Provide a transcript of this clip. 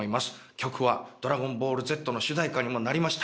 曲は『ドラゴンボールＺ』の主題歌にもなりました